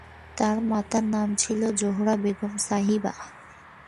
তার মাতার নাম ছিল জোহরা বেগম সাহিবা।